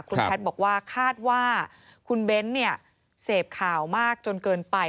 คุณแพทย์บอกว่าคาดว่าคุณเบ้นเสพข่าวมากจนเกินไป